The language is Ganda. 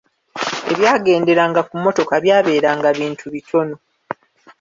Ebyagenderanga ku mmotoka byabeeranga bintu bitono.